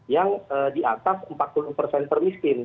yang di atas empat puluh permiskin